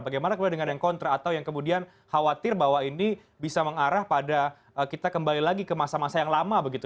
bagaimana kemudian dengan yang kontra atau yang kemudian khawatir bahwa ini bisa mengarah pada kita kembali lagi ke masa masa yang lama begitu